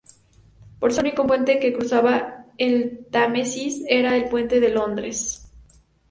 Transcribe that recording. Por siglos el único puente que cruzaba el Támesis era el Puente de Londres.